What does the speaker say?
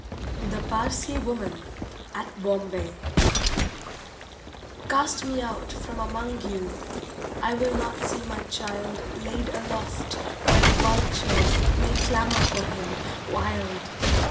THE PARSEE WOMAN (At Bombay) Cast me out from among you, I will not see my child Laid aloft where the vultures May clamour for him, wild!